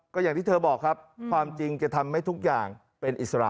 ก็อย่างที่เธอบอกครับความจริงจะทำให้ทุกอย่างเป็นอิสระ